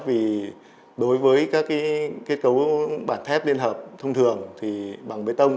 vì đối với các kết cấu bản thép liên hợp thông thường thì bằng bê tông